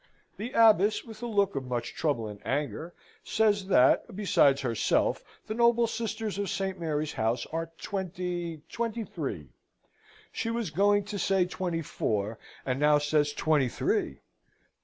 The Abbess, with a look of much trouble and anger, says that, "besides herself, the noble sisters of Saint Mary's House are twenty twenty three." She was going to say twenty four, and now says twenty three?